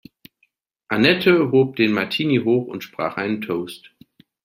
Annette hob den Martini hoch und sprach ein Toast.